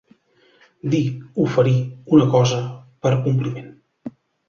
Dir, oferir, una cosa per compliment.